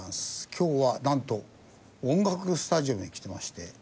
今日はなんと音楽スタジオに来ていまして。